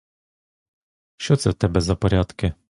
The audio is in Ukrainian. Що це в тебе за порядки?